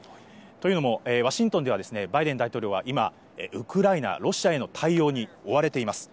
というのも、ワシントンではですね、バイデン大統領は今、ウクライナ、ロシアへの対応に追われています。